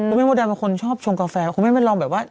แม่มดดำเป็นคนชอบชงกาแฟคุณแม่ไม่ลองแบบว่า